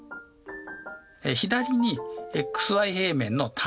左にｘｙ平面の単位円。